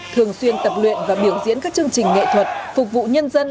thường xuyên tập luyện và biểu diễn các chương trình nghệ thuật phục vụ nhân dân